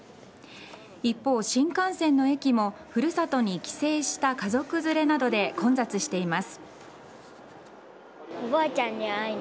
一方、新幹線の駅も古里に帰省した家族連れなどで混雑しています。